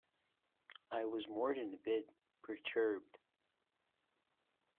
I was more than a bit perturbed.